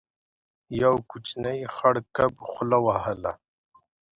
يو کوچنی خړ کب خوله وهله.